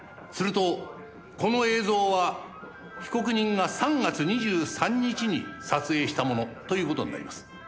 するとこの映像は被告人が３月２３日に撮影したものという事になります。